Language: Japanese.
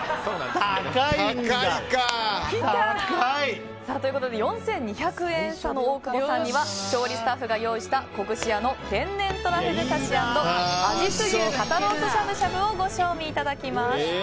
高いんだ。ということで４２００円差の大久保さんには調理スタッフが用意した古串屋の天然とらふぐ刺し＆阿知須牛肩ロースしゃぶしゃぶをご賞味いただきます。